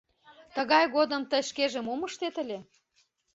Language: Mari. — Тыгай годым тый шкеже мом ыштет ыле?